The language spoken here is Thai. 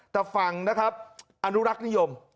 แต่ฟังนะครับอนุรักษ์นิยม